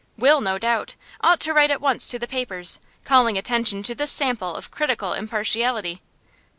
'Will, no doubt. Ought to write at once to the papers, calling attention to this sample of critical impartiality.